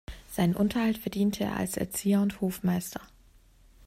Seinen Unterhalt verdiente er als Erzieher und Hofmeister.